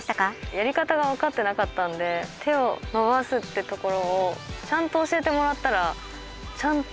やり方がわかってなかったんで手を伸ばすってところをちゃんと教えてもらったらちゃんと。